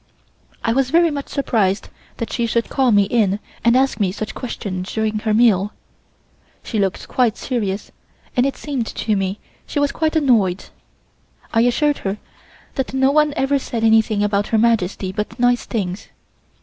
I was very much surprised that she should call me in and ask me such questions during her meal. She looked quite serious and it seemed to me she was quite annoyed. I assured her that no one ever said anything about Her Majesty but nice things.